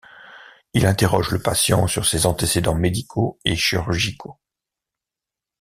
Il interroge le patient sur ses antécédents médicaux et chirurgicaux.